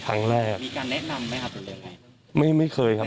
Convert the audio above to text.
ครั้งแรกมีการแนะนำไหมครับหรือยังไงไม่ไม่เคยครับ